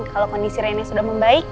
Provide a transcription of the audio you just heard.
kalau kondisi rene sudah membaik